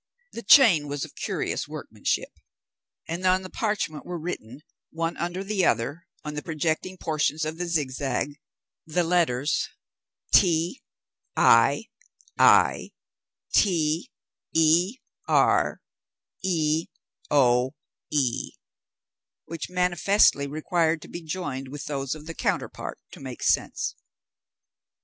The chain was of curious workmanship, and on the parchment were written, one under the other, on the projecting portions of the zigzag, the letters, TIITEREOE which manifestly required to be joined with those of the counterpart to make sense.